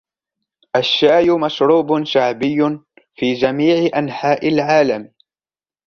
الشاي مشروب شعبي في جميع أنحاء العالم.